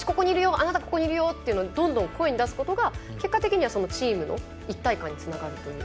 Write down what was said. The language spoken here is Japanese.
あなた、ここにいるよっていうのどんどん声に出すことが結果的にはチームの一体感につながるという。